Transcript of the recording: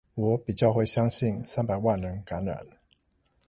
我比較會相信三百萬人感染